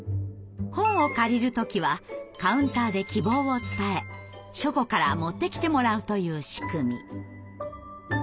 本を借りる時はカウンターで希望を伝え書庫から持ってきてもらうという仕組み。